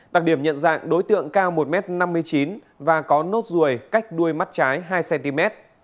đặc điểm nhận dạng đối tượng cao một m năm mươi chín và có nốt ruồi cách đuôi mắt trái hai cm